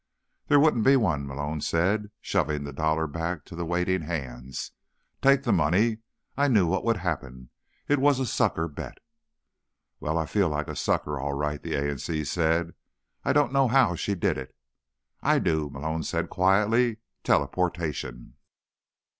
"There wouldn't be one," Malone said, shoving the dollar back to waiting hands. "Take the money; I knew what would happen. It was a sucker bet." "Well, I feel like the sucker, all right," the A in C said. "I don't know how she did it." "I do," Malone said quietly. "Teleportation."